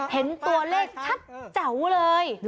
เห็นตัวเลขชัดแจ๋วเลย